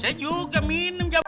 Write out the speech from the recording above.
saya juga minum jamu